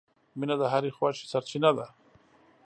• مینه د هرې خوښۍ سرچینه ده.